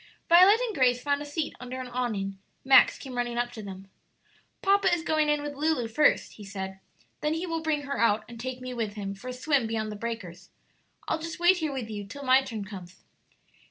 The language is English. Violet and Grace found a seat under an awning. Max came running up to them. "Papa is going in with Lulu first," he said; "then he will bring her out and take me with him for a swim beyond the breakers. I'll just wait here with you till my turn comes."